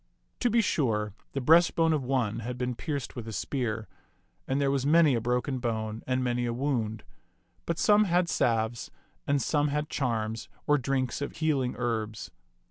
To be sure, the breastbone of one had been pierced with a spear, and there was many a broken bone and many a wound ; but some had salves, and some had charms, or drinks of healing herbs.